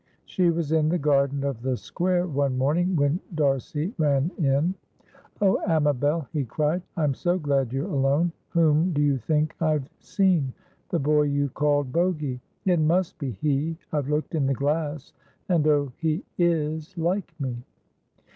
She was in the garden of the square one morning, when D'Arcy ran in. "O Amabel!" he cried, "I'm so glad you're alone! Whom do you think I've seen? The boy you called Bogy. It must be he; I've looked in the glass, and oh, he is like me!"